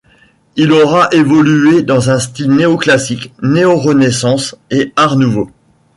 Il aura évolué dans un style néoclassique, néo-Renaissance, et Art Nouveau.